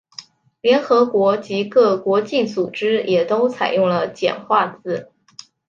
联合国及各国际组织也都采用了简化字。